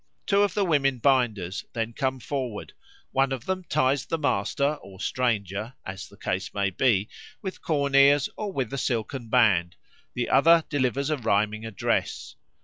Two of the women binders then come forward; one of them ties the master or stranger (as the case may be) with corn ears or with a silken band; the other delivers a rhyming address.